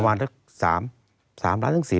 ตั้งแต่ปี๒๕๓๙๒๕๔๘